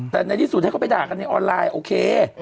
แต่ในที่สุดให้เขาไปด่ากันในออนไลน์โอเค